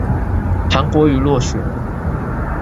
韓國瑜落選